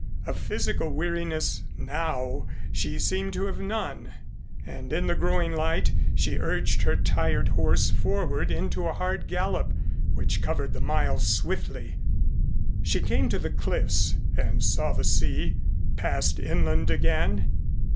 Of physical weariness now she seemed to have none, and in the growing light she urged her tired horse forward into a hard gallop which covered the miles swiftly. She came to the cliffs and saw the sea, passed inland again.